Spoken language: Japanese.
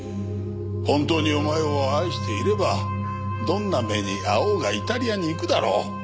本当にお前を愛していればどんな目に遭おうがイタリアに行くだろ。